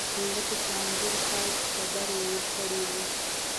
لکه چې انځور صاحب خبر ورکړی و.